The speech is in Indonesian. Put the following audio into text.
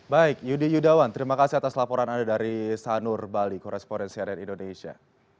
baik yudi yudawan terima kasih atas laporan anda dari sanur bali koresponen cnn indonesia